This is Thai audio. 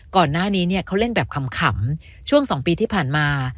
ก่อนหน้านี้เนี่ยเขาเล่นแบบขำช่วง๒ปีที่ผ่านมา